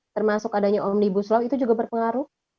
termasuk adanya omnibus law itu juga berpengaruh